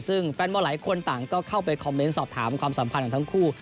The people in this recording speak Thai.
ซึ่งแฟนบอลหลายคนต่างก็เข้าไปคอมเมนต์สอบถามความสัมพันธ์ของทั้งคู่